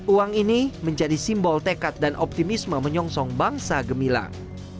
uang ini menjadi simbol tekad dan optimisme menyongsong bangsa gemilang